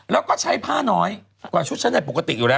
แล้วก็ใช้ผ้าน้อยกว่าชุดชั้นในปกติอยู่แล้ว